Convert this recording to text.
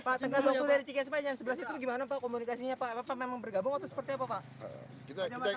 pak tanggal dua puluh dari cikies pajang sebelas itu gimana pak komunikasinya pak memang bergabung atau seperti apa pak